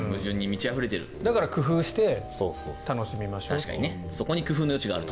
だから、工夫して楽しみましょうと。